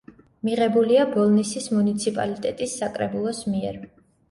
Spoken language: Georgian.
მიღებულია ბოლნისის მუნიციპალიტეტის საკრებულოს მიერ.